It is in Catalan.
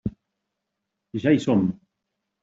Ja hi som!